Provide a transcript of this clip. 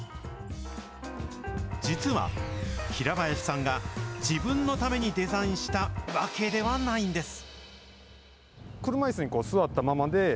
実は、平林さんが自分のためにデザインしたわけではないんです。